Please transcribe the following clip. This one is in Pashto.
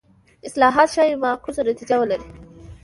اصلاحات ښايي معکوسه نتیجه ولري.